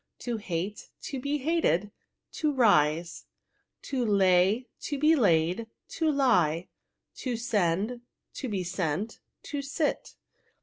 To hate. To be hated. To rise. To lay. To be laid. ToUe. To send. To be sent. To sit.